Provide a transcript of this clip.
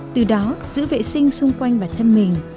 từ đó giữ vệ sinh xung quanh bản thân mình